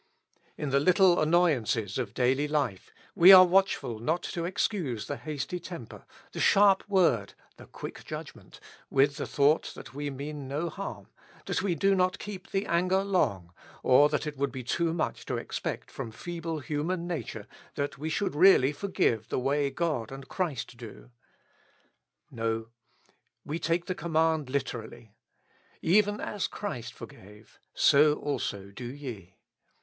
In the little annoyances of daily life, we are watchful not to excuse the hasty temper, the sharp word, the quick judgment, with the thought that we mean no harm, that we do not keep the anger long, or that it would be too much to expect from feeble human nature that we should really forgive the way God and 112 With Christ in the School of Prayer. Christ do. No, we take the command Hterally, "■ Even as Christ forgave, so also do ye."